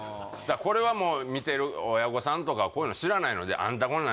あこれはもう見てる親御さんとかこういうの知らないので「アンタこんなん」